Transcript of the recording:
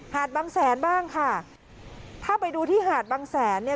หาดบางแสนบ้างค่ะถ้าไปดูที่หาดบางแสนเนี่ย